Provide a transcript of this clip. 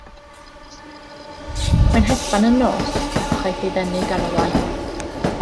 Mae'n hedfan yn y nos a chaiff ei ddenu gan olau.